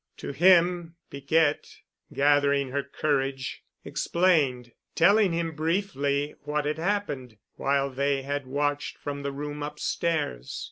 To him Piquette, gathering her courage, explained, telling him briefly what had happened while they had watched from the room upstairs.